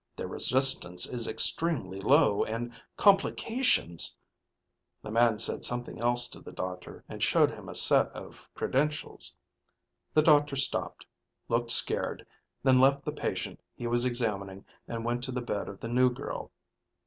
Their resistance is extremely low and complications ..." The man said something else to the doctor and showed him a set of credentials. The doctor stopped, looked scared, then left the patient he was examining and went to the bed of the new girl.